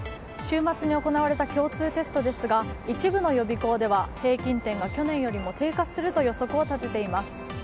週末に行われた共通テストですが一部の予備校では平均点が去年よりも低下すると予測を立てています。